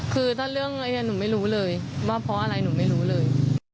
คือถ้าเรื่องอะไรอย่างนี้หนูไม่รู้เลยว่าเพราะอะไรหนูไม่รู้เลย